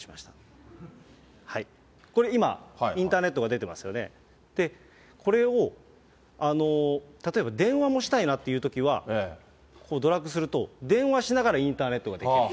これ今、インターネットが出てますよね、これを例えば電話もしたいなっていうときは、ここをドラッグすると、電話しながらインターネットができる。